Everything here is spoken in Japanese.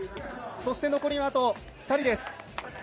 そして残りはあと２人です。